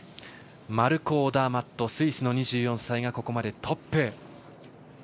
マルコ・オダーマットスイスの選手がここまでトップ。